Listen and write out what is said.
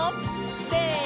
せの！